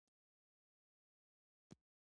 د پرېکړو روڼتیا باور زیاتوي